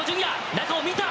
中を見た。